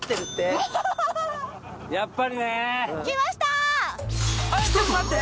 えっちょっと待って。